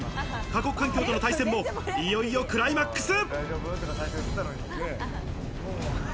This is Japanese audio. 過酷環境との対戦もいよいよクライマックス。